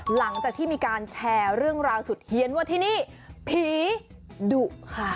หลังจากที่มีการแชร์เรื่องราวสุดเฮียนว่าที่นี่ผีดุค่ะ